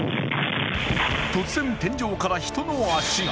突然、天井から人の足が。